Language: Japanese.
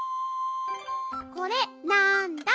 これなんだ？